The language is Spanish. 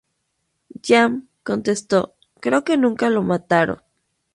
Jiang contestó: "Creo que nunca lo mataron.